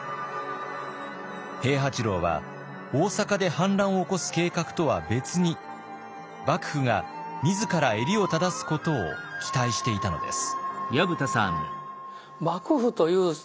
平八郎は大坂で反乱を起こす計画とは別に幕府が自ら襟を正すことを期待していたのです。